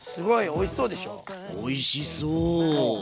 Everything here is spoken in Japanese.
おいしそう。